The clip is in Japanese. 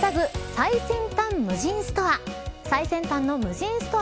最先端無人ストア。